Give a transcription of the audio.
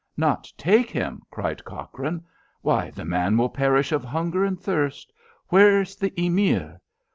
"Not take him!" cried Cochrane. "Why, the man will perish of hunger and thirst. Where's the Emir?